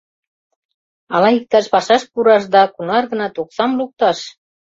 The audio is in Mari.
Ала иктаж пашаш пураш да кунар-гынат оксам лукташ?